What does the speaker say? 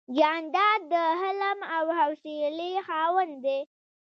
جانداد د حلم او حوصلې خاوند دی.